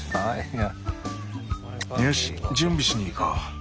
よし準備しに行こう。